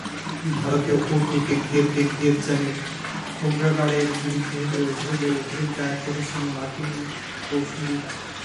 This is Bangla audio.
ভারতীয় কূটনীতিক দেবযানি খোবরাগাড়ের বিরুদ্ধে নতুন করে অভিযোগ দায়ের করেছেন মার্কিন কৌঁসুলিরা।